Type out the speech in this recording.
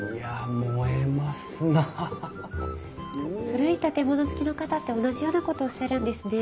古い建物好きの方って同じようなことおっしゃるんですね。